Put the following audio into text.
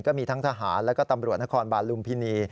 ก็มีทั้งทหารแล้วก็ตำรวจนครบาลลุมพินี